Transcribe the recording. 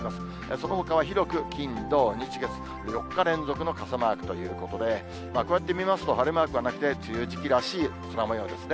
そのほかは広く金、土、日、月、４日連続の傘マークということで、こうやって見ますと、晴れマークはなくて、梅雨時期らしい空もようですね。